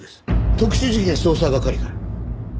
特殊事件捜査係から。